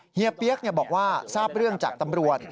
เฮียกบอกว่าทราบเรื่องจากตำรวจ